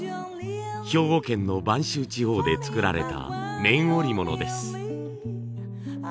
兵庫県の播州地方で作られた綿織物です。